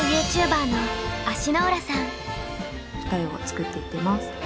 二重を作っていってます。